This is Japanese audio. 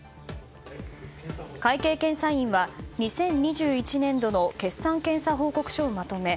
会計検査院は２０２１年度の決算検査報告書をまとめ